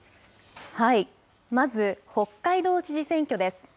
まず、北海道知事選挙です。